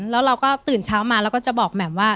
แล้วเราก็ตื่นเช้ามาเราก็จะบอกแหม่มว่า